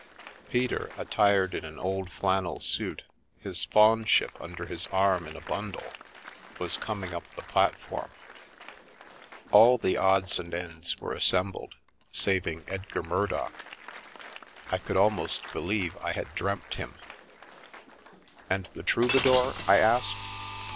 Peter, attired in an old flannel suit, his faunship under his arm in a bundle, was coming up the platform. All the Odds and Ends were assembled, saving Edgar Murdock — I could al most believe I had dreamt him. " And the Troubadour? " I asked.